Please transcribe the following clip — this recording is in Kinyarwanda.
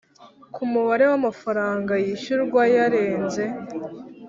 ku mubare wamafaranga yishyurwa yarenze